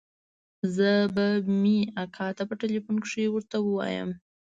زه به مې اکا ته په ټېلفون کښې ورته ووايم.